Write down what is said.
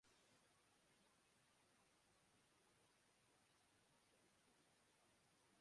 আলাউদ্দিন আহম্মদ জাহাঙ্গীরনগর বিশ্ববিদ্যালয়ের সাবেক উপাচার্য।